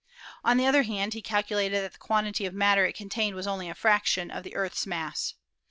On the other hand, he calculated that the quantity of mat ter it contained was only a fraction of the Earth's mass.